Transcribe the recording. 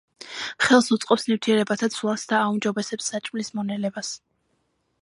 ხელს უწყობს ნივთიერებათა ცვლას და აუმჯობესებს საჭმლის მონელებას.